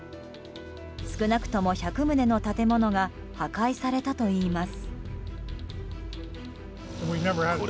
少なくとも１００棟の建物が破壊されたといいます。